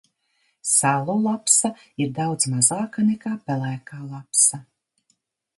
Salu lapsa ir daudz mazāka nekā pelēkā lapsa.